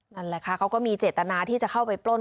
นั่นแหละค่ะเขาก็มีเจตนาที่จะเข้าไปปล้น